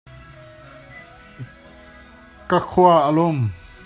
Ka khua a lum.